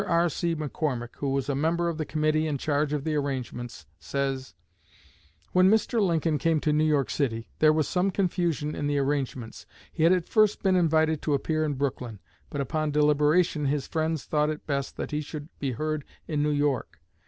R.C. McCormick, who was a member of the committee in charge of the arrangements, says: "When Mr. Lincoln came to New York City, there was some confusion in the arrangements. He had at first been invited to appear in Brooklyn, but upon deliberation his friends thought it best that he should be heard in New York.